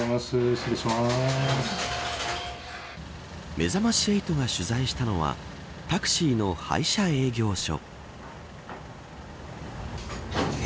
めざまし８が取材したのはタクシーの配車営業所。